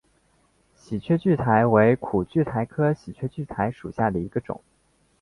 喜鹊苣苔为苦苣苔科喜鹊苣苔属下的一个种。